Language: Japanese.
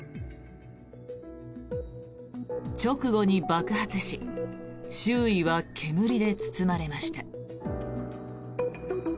直後に爆発し周囲は煙で包まれました。